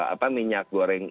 apa minyak goreng